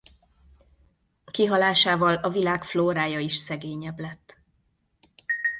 Kihalásával a világ flórája is szegényebb lett.